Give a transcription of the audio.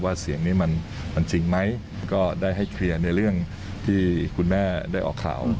เสียงนี้มันจริงไหมก็ได้ให้เคลียร์ในเรื่องที่คุณแม่ได้ออกข่าว